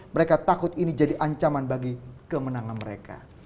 mereka takut ini jadi ancaman bagi kemenangan mereka